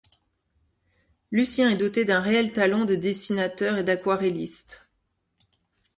Lucien est doté d’un réel talent de dessinateur et d'aquarelliste.